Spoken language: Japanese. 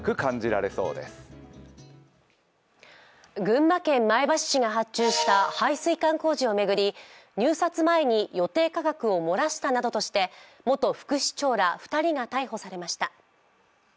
群馬県前橋市が発注した配水管工事を巡り入札前に予定価格を漏らしたなどとして元副市長ら２人が逮捕されました。